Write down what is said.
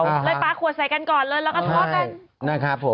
เลยปลาขวดใส่กันก่อนเลยแล้วก็ทะเลาะกันนะครับผม